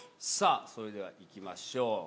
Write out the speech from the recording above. さぁそれでは行きましょう。